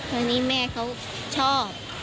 เพราะนี่แม่เขาชอบ